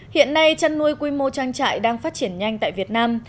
hiện nay chăn nuôi quy mô trang trại đang phát triển nhanh tại việt nam